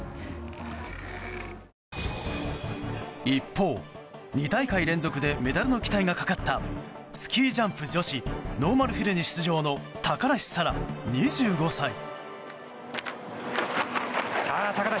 一方、２大会連続でメダルの期待がかかったスキージャンプ女子ノーマルヒルに出場の高梨沙羅、２５歳。